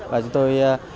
và chúng tôi